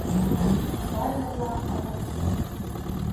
Барыһы ла алдаҡсы!